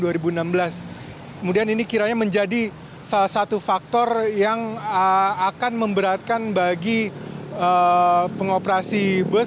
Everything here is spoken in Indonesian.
kemudian ini kiranya menjadi salah satu faktor yang akan memberatkan bagi pengoperasi bus